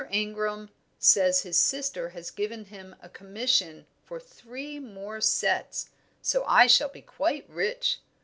Ingram says his sister has given him a commission for three more sets, so I shall be quite rich.